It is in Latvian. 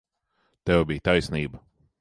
Tev bija taisnība.